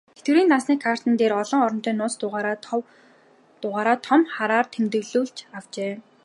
Тэтгэврийн дансны карт дээрээ олон оронтой нууц дугаараа том хараар тэмдэглүүлж авчээ.